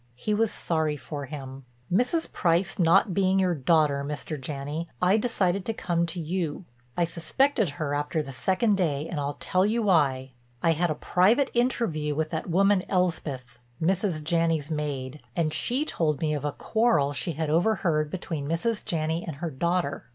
He was sorry for him: "Mrs. Price not being your daughter, Mr. Janney, I decided to come to you. I suspected her after the second day and I'll tell you why. I had a private interview with that woman Elspeth, Mrs. Janney's maid, and she told me of a quarrel she had overheard between Mrs. Janney and her daughter.